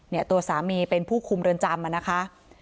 เนี่ยตัวสามีเป็นผู้คุมเรินจำนะคะ